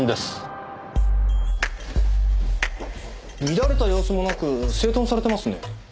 乱れた様子もなく整頓されてますね。